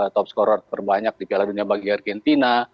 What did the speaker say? top scorer terbanyak di piala dunia bagi argentina